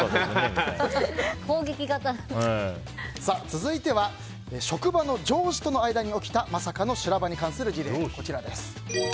続いては職場の上司との間に起きたまさかの修羅場に関する事例。